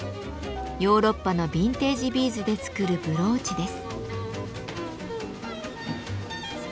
ヨーロッパのビンテージビーズで作るブローチです。